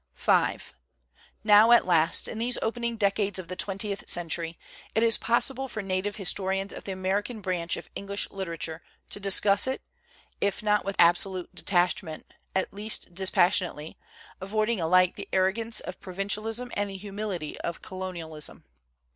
75 WHAT IS AMERICAN LITERATURE? Now, at last, in these opening decades of the twentieth century it is possible for native his torians of the American branch of English litera ture to discuss it, if not with absolute detach ment, at least dispassionately, avoiding alike the arrogance of provincialism and the humility of colonialism.